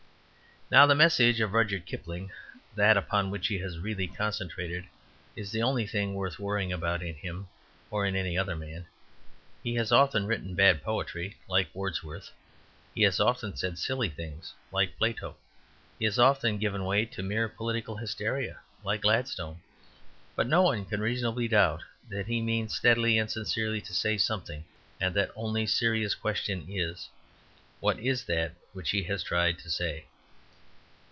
Now, the message of Rudyard Kipling, that upon which he has really concentrated, is the only thing worth worrying about in him or in any other man. He has often written bad poetry, like Wordsworth. He has often said silly things, like Plato. He has often given way to mere political hysteria, like Gladstone. But no one can reasonably doubt that he means steadily and sincerely to say something, and the only serious question is, What is that which he has tried to say?